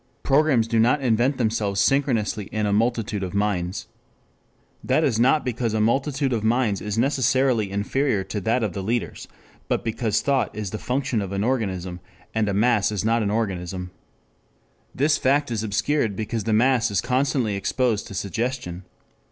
Programs do not invent themselves synchronously in a multitude of minds. That is not because a multitude of minds is necessarily inferior to that of the leaders, but because thought is the function of an organism, and a mass is not an organism. This fact is obscured because the mass is constantly exposed to suggestion.